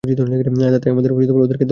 তাতে আমাদের ওদেরকে দরকার নেই।